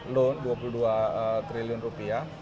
loan dua puluh dua triliun rupiah